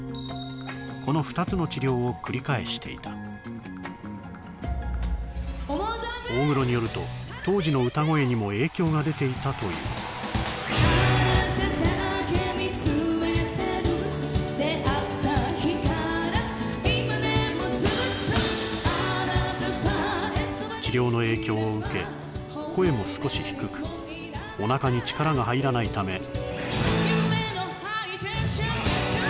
この２つの治療を繰り返していた大黒によると当時の歌声にも影響が出ていたというあなただけ見つめてる出会った日から今でもずっとあなたさえ治療の影響を受け声も少し低くおなかに力が入らないため夢のＨｉｇｈＴｅｎｓｉｏｎ